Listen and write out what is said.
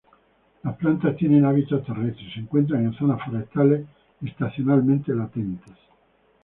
Las plantas tienen hábitos terrestres y se encuentran en zonas forestales, estacionalmente latentes.